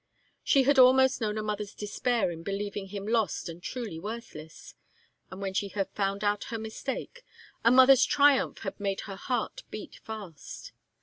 She had almost known a mother's despair in believing him lost and truly worthless, and when she had found out her mistake, a mother's triumph had made her heart beat fast.